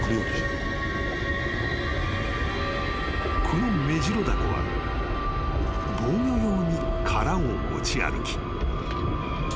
［このメジロダコは防御用に殻を持ち歩き］